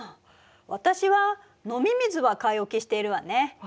私は飲み水は買い置きしているわね。